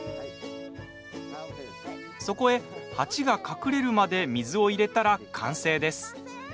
そこへ、鉢が隠れるまで水を入れたら完成です。